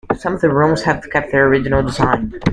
Some of the rooms have kept their original design.